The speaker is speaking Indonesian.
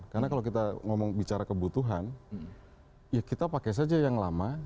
karena kalau kita bicara kebutuhan ya kita pakai saja yang lama